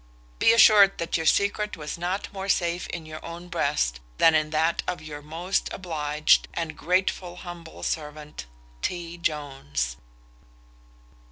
Be assured that your secret was not more safe in your own breast, than in that of your most obliged, and grateful humble servant, "T. JONES."